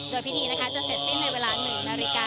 โดยพิธีนะคะจะเสร็จสิ้นในเวลา๑นาฬิกา